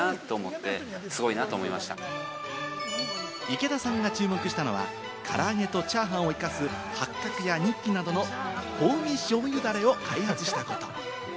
池田さんが注目したのは、からあげとチャーハンを生かす八角やニッキなどの香味醤油ダレを開発したこと。